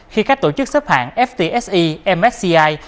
khi các tổ chức xếp hạng ftse msci